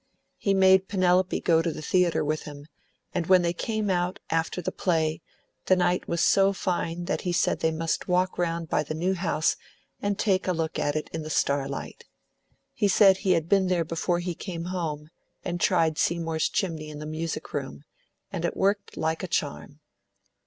He made Penelope go to the theatre with him, and when they came out, after the play, the night was so fine that he said they must walk round by the new house and take a look at it in the starlight. He said he had been there before he came home, and tried Seymour's chimney in the music room, and it worked like a charm.